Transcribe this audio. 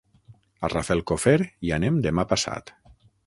A Rafelcofer hi anem demà passat.